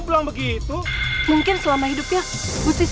pokoknya begitu bu sista siuman kita langsung aja dia ke polisi